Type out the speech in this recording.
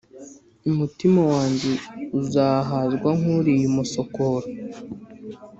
Umutima wanjye uzahazwa nk uriye umusokoro